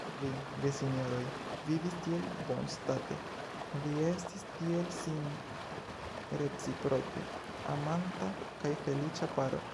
Vi, gesinjoroj, vivis tiel bonstate, vi estis tiel sin reciproke amanta kaj feliĉa paro!